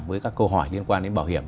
với các câu hỏi liên quan đến bảo hiểm